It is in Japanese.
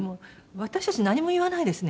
私たち何も言わないですね